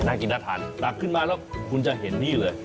น่ากินอาถารณ์แต่ขึ้นมาแล้วคุณจะเห็นนี่เลย